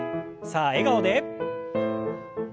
さあ笑顔で。